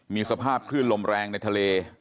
มีสภาพคลื่นลมแรงในทะเล